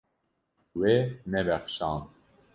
Wê nebexşand.